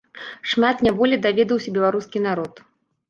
Шмат няволі даведаўся беларускі народ.